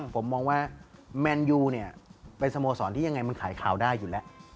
ผมมองว่าแมนยูเป็นสโมสรที่อย่างไรมันขายข่าวได้อยู่และ